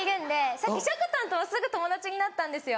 さっきしょこたんともすぐ友達になったんですよ。